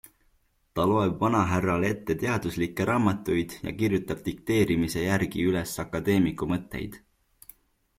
Ta loeb vanahärrale ette teaduslikke raamatuid ja kirjutab dikteerimise järgi üles akadeemiku mõtteid.